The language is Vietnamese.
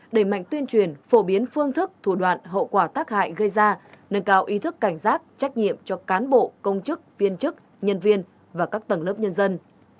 đẩy mạnh tuyên truyền phổ biến phương thức thủ đoạn hậu quả tác hại gây ra nâng cao ý thức cảnh giác trách nhiệm cho cán bộ công chức viên chức nhân viên và các tầng lớp nhân dân